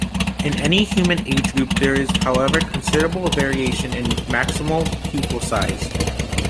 In any human age group there is however considerable variation in maximal pupil size.